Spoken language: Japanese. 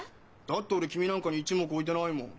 だって俺君なんかに一目置いてないもん。